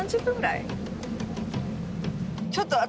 ちょっと私